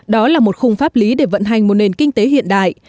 đó là một khung pháp lý để vận hành một nền kinh tế hiện đại